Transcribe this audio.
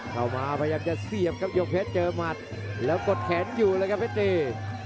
พยายามจะเสียบครับยกเพชรเจอหมัดแล้วกดแขนอยู่เลยครับเพชรตี